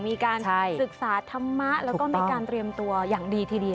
มีการศึกษาธรรมะแล้วก็มีการเตรียมตัวอย่างดีทีเดียว